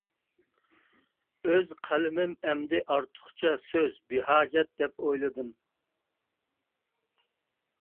ئۆز قەلىمىم ئەمدى ئارتۇقچە سۆز بىھاجەت دەپ ئويلىدىم.